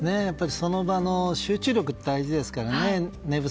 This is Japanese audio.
その場の集中力って大事ですからね。